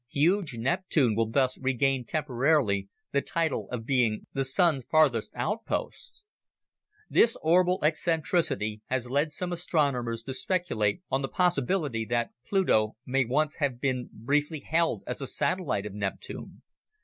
Huge Neptune will thus regain temporarily the title of being the Sun's farthest outpost! This orbital eccentricity has lead some astronomers to speculate on the possibility that Pluto may once have been briefly held as a satellite of Neptune.